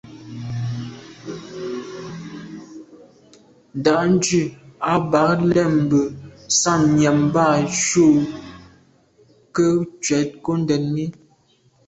Ndǎ’ndʉ̂ a bαg len, ndɛ̂nmbə̀ sα̌m nyὰm mbὰ ncʉ̌’ kə cwɛ̌d nkondɛ̀n mi.